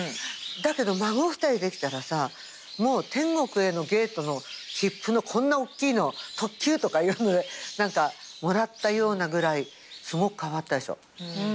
だけど孫２人できたらさもう天国へのゲートの切符のこんなおっきいの特急とかいうのでもらったようなぐらいすごく変わったでしょ。